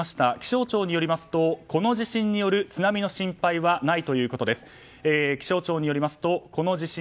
気象庁によりますとこの地震による津波の心配はないということです。